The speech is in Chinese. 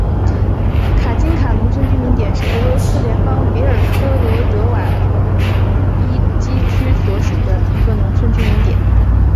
卡津卡农村居民点是俄罗斯联邦别尔哥罗德州瓦卢伊基区所属的一个农村居民点。